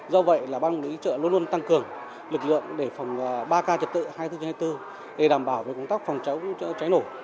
do vậy là ban quản lý chợ luôn luôn tăng cường lực lượng để phòng ba k trật tự hai mươi bốn trên hai mươi bốn để đảm bảo về công tác phòng chống cháy nổ